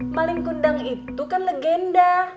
mba surti itu kan legenda